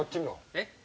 えっ？